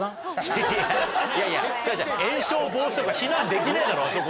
いやいや延焼防止とか避難できねえだろあそこに。